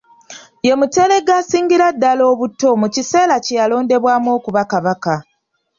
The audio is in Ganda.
Ye muteregga asingira ddala obuto mu kiseera kye yalonderwamu okuba Kabaka.